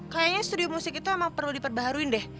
kayaknya studio musik itu emang perlu diperbaharuin deh